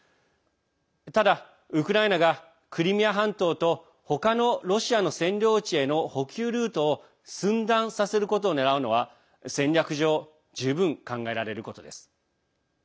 ただ、ウクライナがクリミア半島と他のロシアの占領地への補給ルートを寸断させることを狙うのは戦略上、十分考えられることです。